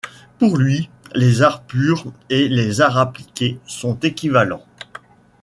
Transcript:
Pour lui, les arts purs et les arts appliqués sont équivalents.